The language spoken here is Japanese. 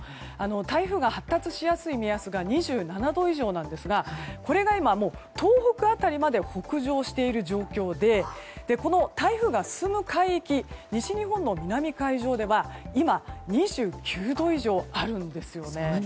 台風が発達しやすい目安が２７度以上なんですがこれが今、東北辺りまで北上している状況で台風が進む海域西日本の南海上では今、２９度以上あるんですよね。